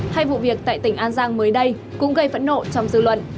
hay vụ việc tại tỉnh an giang mới đây cũng gây phẫn nộ trong dư luận